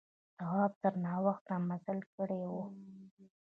تواب تر ناوخته مزل کړی و.